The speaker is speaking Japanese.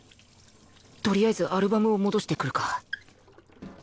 とりあえずアルバムを戻してくるか